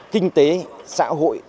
kinh tế xã hội